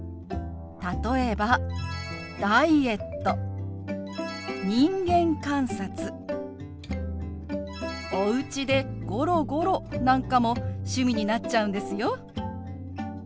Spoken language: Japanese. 例えば「ダイエット」「人間観察」「おうちでゴロゴロ」なんかも趣味になっちゃうんですよ。